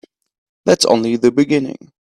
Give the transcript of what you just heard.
That's only the beginning.